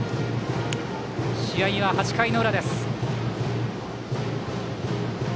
試合は８回の裏です。